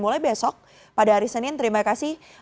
mulai besok pada hari senin terima kasih